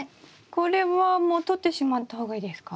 これはもう取ってしまった方がいいですか？